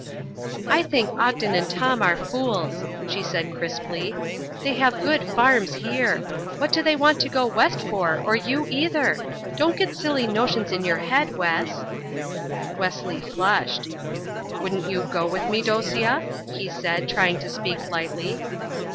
"I think Ogden and Tom are fools," she said crisply. "They have good farms here. What do they want to go west for, or you, either? Don't get silly notions in your head, Wes." Wesley flushed. "Wouldn't you go with me, Dosia?" he said, trying to speak lightly.